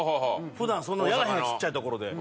普段そんなやらへんちっちゃい所で。